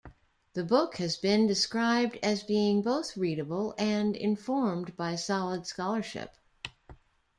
The book has been described as being both readable and informed by solid scholarship.